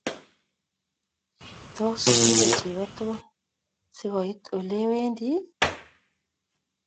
Tos, kiibe chego tuguk sergoit olewendi?